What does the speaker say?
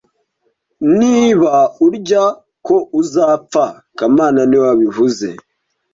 Niba urya ko uzapfa kamana niwe wabivuze